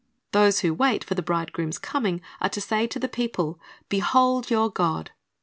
"^ Those who wait for the Bridegroom's coming are to say to the people, "Behold your God."